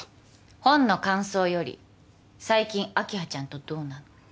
本の感想より最近明葉ちゃんとどうなの？